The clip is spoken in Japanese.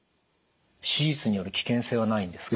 手術による危険性はないんですか？